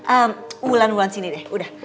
eh bulan one sini deh udah